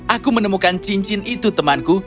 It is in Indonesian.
aku menemukan cincin itu temanku